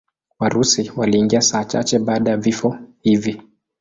Warusi waliingia saa chache baada ya vifo hivi.